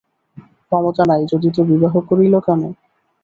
ক্ষমতা নাই যদি তো বিবাহ করিল কেন।